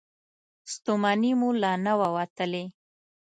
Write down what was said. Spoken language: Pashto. ستومني مو لا نه وه وتلې.